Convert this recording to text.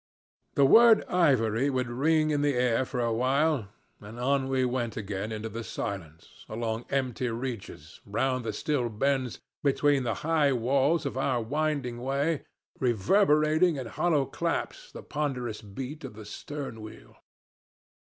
The word ivory would ring in the air for a while and on we went again into the silence, along empty reaches, round the still bends, between the high walls of our winding way, reverberating in hollow claps the ponderous beat of the stern wheel.